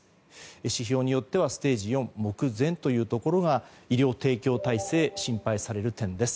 指標によってはステージ４目前というところが医療提供体制心配される点です。